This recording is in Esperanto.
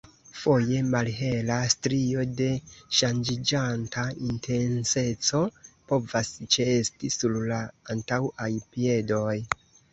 Foje, malhela strio de ŝanĝiĝanta intenseco povas ĉeesti sur la antaŭaj piedoj.